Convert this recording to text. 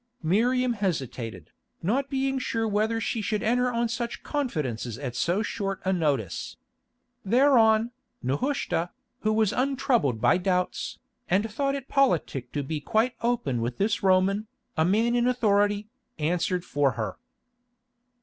Miriam hesitated, not being sure whether she should enter on such confidences at so short a notice. Thereon, Nehushta, who was untroubled by doubts, and thought it politic to be quite open with this Roman, a man in authority, answered for her.